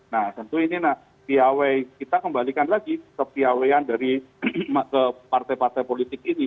nah tentu ini nah piawei kita kembalikan lagi kepiawean dari partai partai politik ini